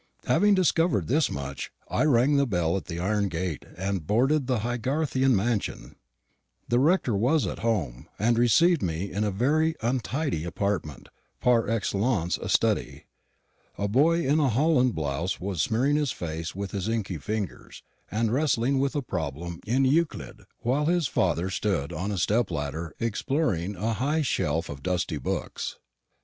Having discovered thus much, I rang the bell at the iron gate and boarded the Haygarthian mansion. The rector was at home, and received me in a very untidy apartment, par excellence a study. A boy in a holland blouse was smearing his face with his inky fingers, and wrestling with a problem in Euclid, while his father stood on a step ladder exploring a high shelf of dusty books.